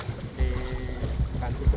di kaki sebelumnya